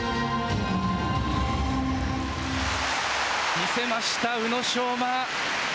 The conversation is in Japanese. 見せました、宇野昌磨。